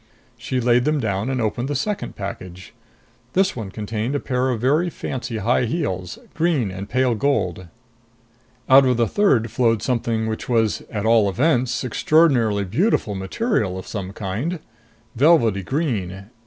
She laid them down and opened the second package. This one contained a pair of very fancy high heels, green and pale gold. Out of the third flowed something which was, at all events, extraordinarily beautiful material of some kind. Velvety green